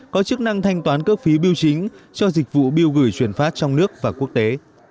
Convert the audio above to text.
có chức năng thanh toán cước phí biêu chính cho dịch vụ biêu gửi chuyển phát trong nước và quốc tế